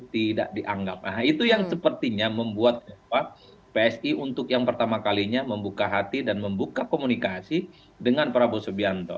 tidak dianggap nah itu yang sepertinya membuat psi untuk yang pertama kalinya membuka hati dan membuka komunikasi dengan prabowo subianto